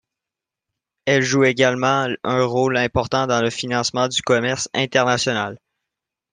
Elle joue également un rôle important dans le financement du commerce international.